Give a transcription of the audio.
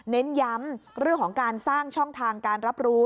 เน้นย้ำเรื่องของการสร้างช่องทางการรับรู้